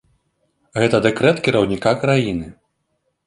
Гэта дэкрэт кіраўніка краіны.